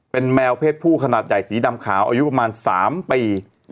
เป็นแมวเพศผู้ขนาดใหญ่สีดำขาวอายุประมาณ๓ปี